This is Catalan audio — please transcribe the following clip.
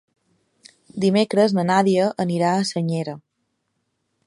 Dimecres na Nàdia anirà a Senyera.